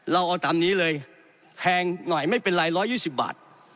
เราเอาตามนี้เลยแพงหน่อยไม่เป็นไร๑๒๐บาท